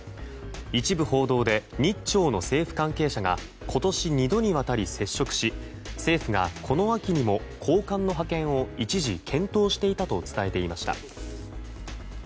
一部報道で日朝の政府関係者が今年、２度にわたり接触し政府がこの秋にも高官の派遣を一時検討していたと伝えていました。